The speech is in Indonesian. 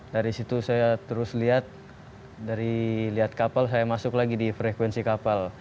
dari situ saya terus lihat dari lihat kapal saya masuk lagi di frekuensi kapal